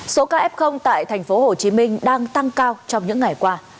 số ca f tại tp hcm đang tăng cao trong những ngày qua